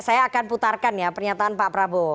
saya akan putarkan ya pernyataan pak prabowo